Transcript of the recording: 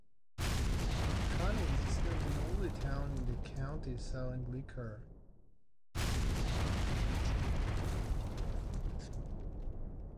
Cuney is still the only town in the county selling liquor.